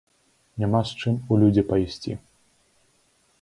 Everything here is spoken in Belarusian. Няма з чым у людзі пайсці.